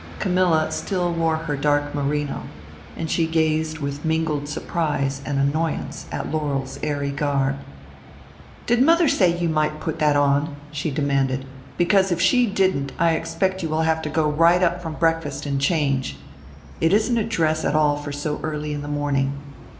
Camilla still wore her dark merino; and she gazed with mingled surprise and annoyance at Laurel's airy garb. "Did mother say you might put that on?" she demanded. "Because if she didn't I expect you will have to go right up from breakfast and change. It isn't a dress at all for so early in the morning.